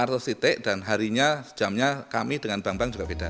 lima ratus titik dan harinya jamnya kami dengan bank bank juga beda